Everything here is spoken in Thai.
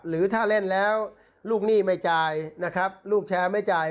หรือถ้าเล่นแล้วลูกหนี้ไม่จ่ายนะครับลูกแชร์ไม่จ่าย